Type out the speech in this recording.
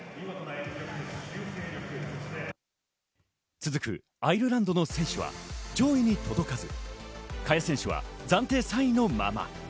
続くアイルランドの選手は上位に届かず、萱選手は暫定３位のまま。